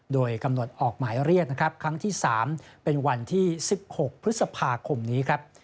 โดยกำหนดออกหมายเรียกนะครับครั้งที่๓เป็นวันที่๑๖พฤษภาคมนี้ครับ